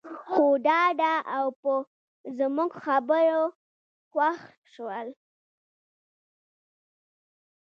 خو ډاډه او په زموږ خبرو خوښ شول.